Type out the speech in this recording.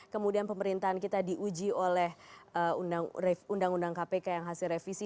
kemudian pemerintahan kita diuji oleh undang undang kpk yang hasil revisi